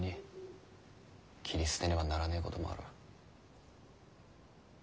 切り捨てねばならねぇこともある。